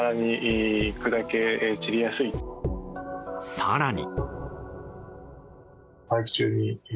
更に。